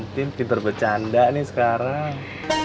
tin pinter bercanda nih sekarang